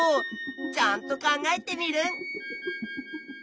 ちゃんと考えテミルン！